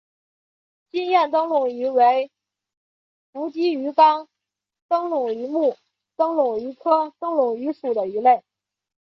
金焰灯笼鱼为辐鳍鱼纲灯笼鱼目灯笼鱼科灯笼鱼属的鱼类。